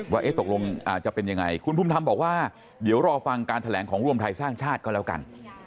ว่าตกลงอาจจะเป็นยังไงคุณภูมิธรรมบอกว่าเดี๋ยวรอฟังการแถลงของรวมไทยสร้างชาติก็แล้วกัน